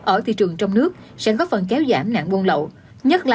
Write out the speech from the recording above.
ở thị trường trong nước sẽ góp phần kéo dưới